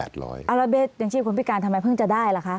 เอาละเบี้ยงชีพคนพิการทำไมเพิ่งจะได้ละคะ